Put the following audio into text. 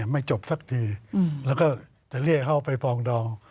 ไม่จบทำให้ไปแล้วก็จะเรียกเขาไปป้องดอง